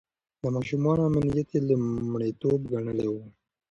د ماشومانو امنيت يې لومړيتوب ګڼلی و.